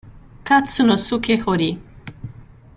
Katsunosuke Hori